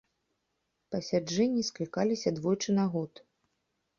Пасяджэнні склікаліся двойчы на год.